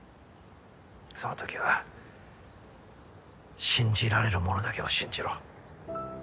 その時は信じられる者だけを信じろ。